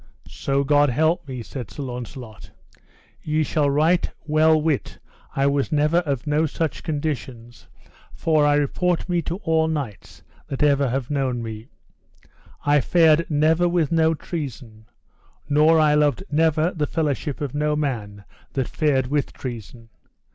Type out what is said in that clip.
So God me help, said Sir Launcelot, ye shall right well wit I was never of no such conditions, for I report me to all knights that ever have known me, I fared never with no treason, nor I loved never the fellowship of no man that fared with treason.